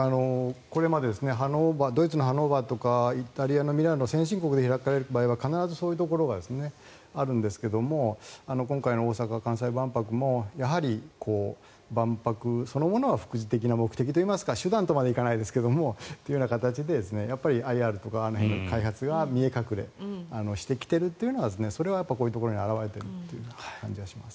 これまでドイツのハノーバーとかイタリアのミラノ先進国で開かれる場合は必ずそういうところがあるんですが今回の大阪・関西万博もやはり万博そのものは副次的な目的といいますか手段とまではいいませんがだから、ＩＲとかあの辺の開発が見え隠れしてきているそれはこういうところに表れている感じがあります。